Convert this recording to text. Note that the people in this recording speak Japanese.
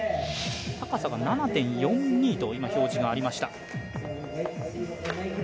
高さが７．４２と今、表示がありました。